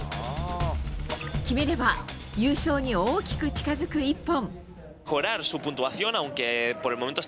決めれば優勝に大きく近づく１本。